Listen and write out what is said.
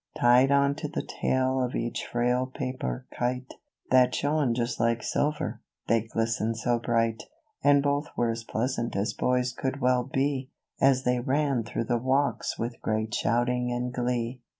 Tied on to the tail of each frail paper kite, That shone just like silver — they glistened so bright — And both were as pleasant as boys could well be, As they ran through the walks with great shout ing and glee.